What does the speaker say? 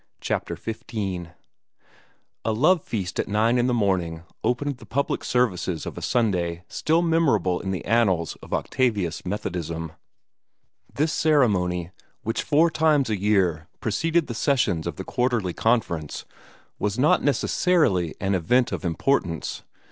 CHAPTER XV A love feast at nine in the morning opened the public services of a Sunday still memorable in the annals of Octavius Methodism. This ceremony, which four times a year preceded the sessions of the Quarterly Conference, was not necessarily an event of importance.